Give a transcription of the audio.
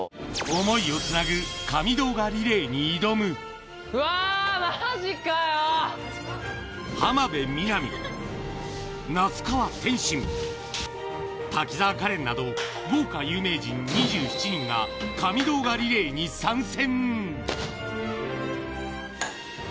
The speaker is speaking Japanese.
想いをつなぐ神動画リレーにうわー、浜辺美波、那須川天心、滝沢カレンなど、豪華有名人２７人が神動画リレーに参戦。